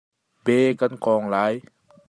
Bee kan kawng lai.